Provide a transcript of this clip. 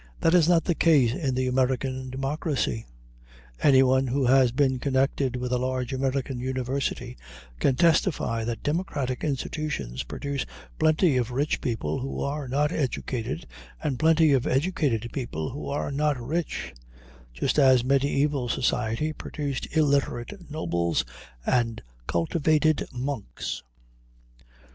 That is not the case in the American democracy. Anyone who has been connected with a large American university can testify that democratic institutions produce plenty of rich people who are not educated and plenty of educated people who are not rich, just as mediæval society produced illiterate nobles and cultivated monks.